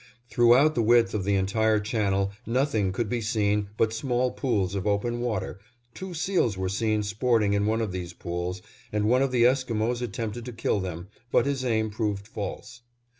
Throughout the width of the entire channel nothing could be seen but small pools of open water; two seals were seen sporting in one of these pools, and one of the Esquimos attempted to kill them, but his aim proved false.